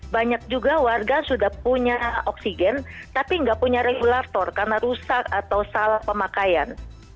banyak juga warga sudah punya oksigen tapi nggak punya regulator karena rusak atau salah pemakaian